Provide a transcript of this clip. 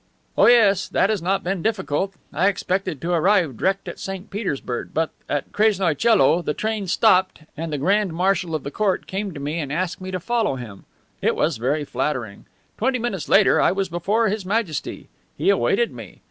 "Oh, yes, that has not been difficult. I expected to arrive direct at St. Petersburg, but at Krasnoie Coelo the train stopped and the grand marshal of the court came to me and asked me to follow him. It was very flattering. Twenty minutes later I was before His Majesty. He awaited me!